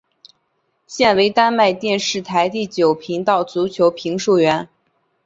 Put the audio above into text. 现为丹麦电视台第九频道足球评述员。